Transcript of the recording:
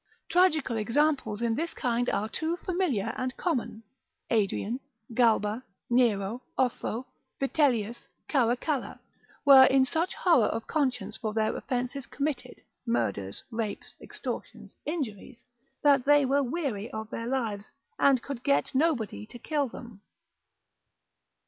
Tragical examples in this kind are too familiar and common: Adrian, Galba, Nero, Otho, Vitellius, Caracalla, were in such horror of conscience for their offences committed, murders, rapes, extortions, injuries, that they were weary of their lives, and could get nobody to kill them.